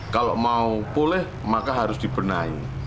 kalau mau pulih maka harus dibenahi